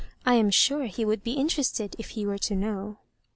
I am sure he would be interested if he were to know."